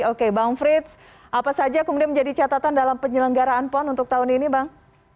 oke bang frits apa saja kemudian menjadi catatan dalam penyelenggaraan pon untuk tahun ini bang